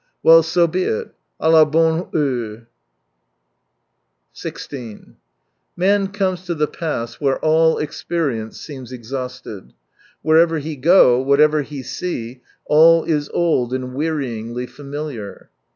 Well, so be it. A la bonne heure /... i6 Man comes to the pass where all experi ence seems exhausted. Wherever he go, whatever he see, all is old and wearyingly familiar.